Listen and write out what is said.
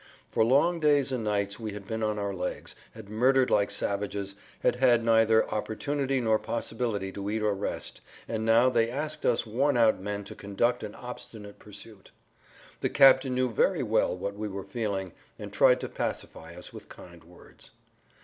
For long days and nights we had been on our legs, had murdered like savages, had had neither opportunity nor possibility to eat or rest, and now they asked us worn out men to conduct an obstinate pursuit. The captain knew very well what we were feeling, and tried to pacify us with kind words.